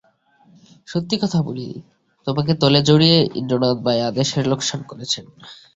সত্যি কথা বলি, তোমাকে দলে জড়িয়ে ইন্দ্রনাথ ভায়া দেশের লোকসান করেছেন।